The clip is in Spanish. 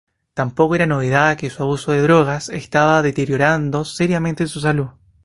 Tampoco era novedad que su abuso de drogas estaba deteriorando seriamente su salud.